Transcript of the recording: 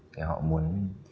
thì họ muốn